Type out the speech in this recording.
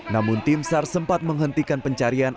namun timsar sempat menghentikan pencarian